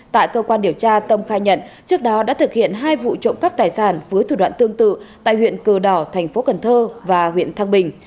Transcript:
tại cơ quan điều tra tâm khai nhận trước đó đã thực hiện hai vụ trộm cắp tài sản với thủ đoạn tương tự tại huyện cờ đỏ thành phố cần thơ và huyện thăng bình